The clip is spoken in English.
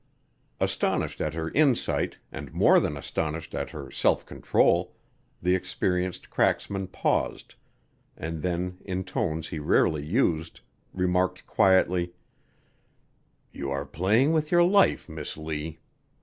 Astonished at her insight and more than astonished at her self control, the experienced cracksman paused, and then in tones he rarely used, remarked quietly: "You are playing with your life, Miss Lee.